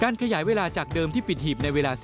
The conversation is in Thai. การขยายเวลาจากเดิมที่ปิดหีบในเวลา๑๕นาฬิกา